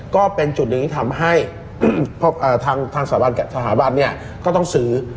ก็เป็นจุดหนึ่งที่ทำให้ทางสถาบัติกับสถาบัติก็ต้องซื้อ